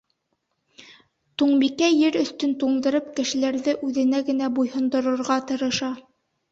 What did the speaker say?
Туңбикә Ер өҫтөн туңдырып, кешеләрҙе үҙенә генә буйһондорорға тырыша.